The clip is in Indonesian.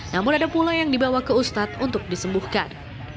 namun ada pula yang dibawa ke ustadz untuk disembuhkan